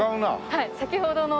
はい先ほどの。